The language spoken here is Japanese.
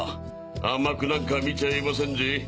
甘くなんか見ちゃいませんぜ。